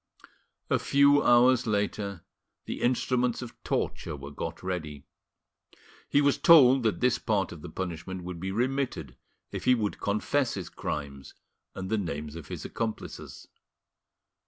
A few hours later the instruments of torture were got ready. He was told that this part of his punishment would be remitted if he would confess his crimes and the names of his accomplices.